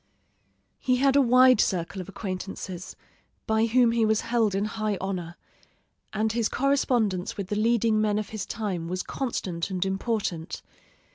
He had a wide circle of acquaintances, by whom he was held in high honor, and his correspondence with the leading men of his time was constant and important.